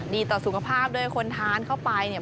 ดีต่อสุขภาพด้วยคนทานเข้าไปเนี่ย